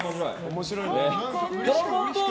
面白いね。